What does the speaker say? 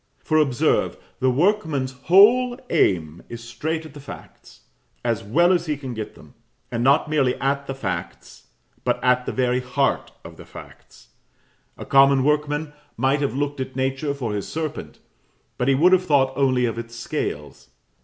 For, observe, the workman's whole aim is straight at the facts, as well as he can get them; and not merely at the facts, but at the very heart of the facts. A common workman might have looked at nature for his serpent, but he would have thought only of its scales.